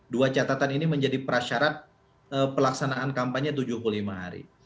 dua catatan ini menjadi prasyarat pelaksanaan kampanye tujuh puluh lima hari